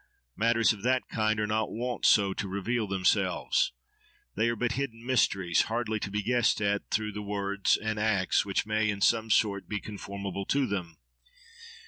Matters of that kind are not wont so to reveal themselves. They are but hidden mysteries, hardly to be guessed at through the words and acts which may in some sort be conformable to them.